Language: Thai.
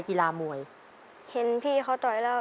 จิตตะสังวโรครับ